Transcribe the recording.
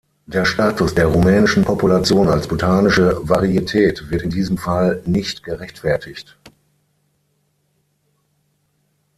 Der Status der rumänischen Population als botanische Varietät wäre in diesem Fall nicht gerechtfertigt.